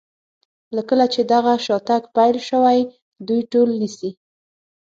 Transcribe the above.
له کله چې دغه شاتګ پیل شوی دوی ټول نیسي.